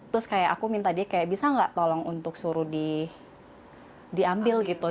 terus aku minta dia bisa gak tolong untuk suruh diambil gitu